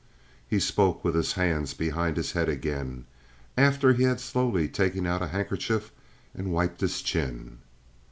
He spoke with his hands behind his head again, after he had slowly taken out a handkerchief and wiped his chin.